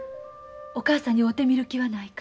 お母さんに会うてみる気はないか？